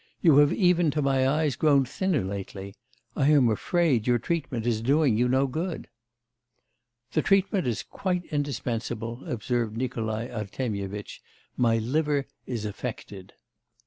You have even to my eyes grown thinner lately. I am afraid your treatment is doing you no good.' 'The treatment is quite indispensable,' observed Nikolai Artemyevitch, 'my liver is affected.